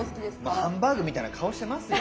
まあハンバーグみたいな顔してますよ